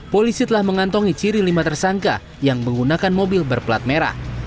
polisi telah mengantongi ciri lima tersangka yang menggunakan mobil berplat merah